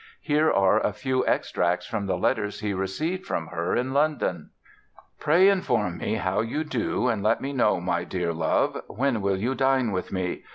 Here are a few extracts from the letters he received from her in London: "... Pray inform me how you do, and let me know my Dear Love: When will you dine with me?